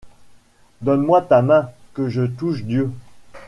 Donne-moi ta main, que je touche Dieu !